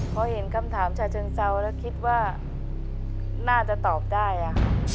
พอเห็นคำถามชาเชิงเซาแล้วคิดว่าน่าจะตอบได้ค่ะ